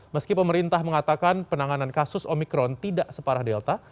meski pemerintah mengatakan penanganan kasus omikron tidak separah delta